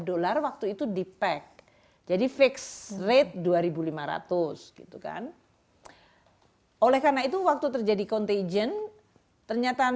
dolar waktu itu di pack jadi fix rate dua ribu lima ratus gitu kan oleh karena itu waktu terjadi contagion ternyata